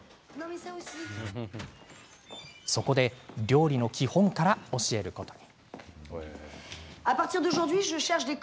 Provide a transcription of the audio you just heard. そこで料理の基本から教えることに。